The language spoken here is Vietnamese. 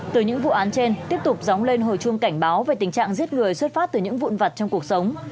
từ những vụ án trên tiếp tục dóng lên hồi chuông cảnh báo về tình trạng giết người xuất phát từ những vụn vật trong cuộc sống